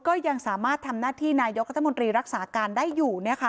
ก็ยังสามารถทำหน้าที่นายกรัฐมนตรีรักษาการได้อยู่